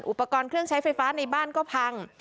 อุปกรณ์เครื่องใช้ไฟฟ้าในบ้านก็พัง